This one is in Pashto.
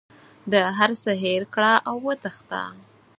د هر څه هېر کړه او وتښته.